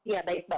ya baik bu